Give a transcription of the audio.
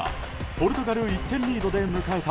ポルトガル１点リードで迎えた